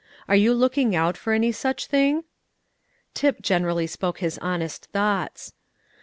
Are you looking out for any such thing?" Tip generally spoke his honest thoughts.